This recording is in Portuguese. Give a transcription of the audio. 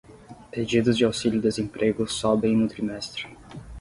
Pedidos de auxílio-desemprego sobem no trimestre